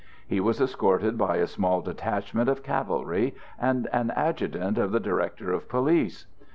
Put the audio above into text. He was escorted by a small detachment of cavalry and an adjutant of the Director of Police.